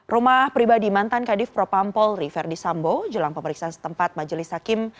rumah pribadi mantan kadif propam polri verdi sambo jelang pemeriksaan setempat majelis hakim